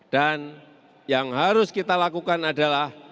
dan yang harus kita lakukan adalah